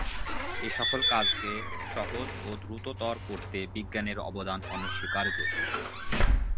এসকল কাজকে সহজ ও দ্রুততর করতে বিজ্ঞানের অবদান অনস্বীকার্য।